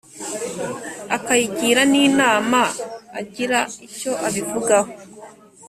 akayigira n inama Agira icyo abivugaho